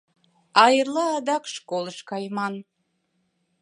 А эрла адак школыш кайыман.